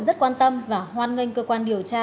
rất quan tâm và hoan nghênh cơ quan điều tra